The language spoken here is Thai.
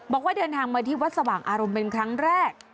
บอกว่าเดินทางมาที่วัดสว่างอารมณ์เป็นครั้งแรก